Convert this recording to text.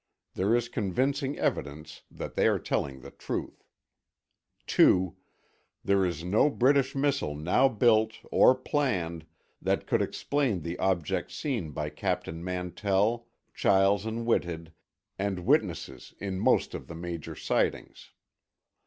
There is convincing evidence that they are telling the truth. 2. There is no British missile now built, or planned, that could explain the objects seen by Captain Mantell, Chiles and Whitted, and witnesses in most of the major sightings.